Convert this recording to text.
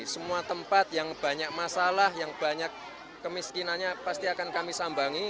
semua tempat yang banyak masalah yang banyak kemiskinannya pasti akan kami sambangi